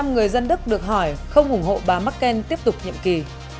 năm mươi người dân đức được hỏi không ủng hộ bà mắc ken tiếp tục nhiệm kỳ